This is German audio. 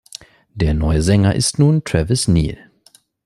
Der neue Sänger ist nun Travis Neal.